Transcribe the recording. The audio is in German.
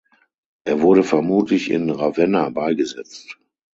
Er wurde vermutlich in Ravenna beigesetzt.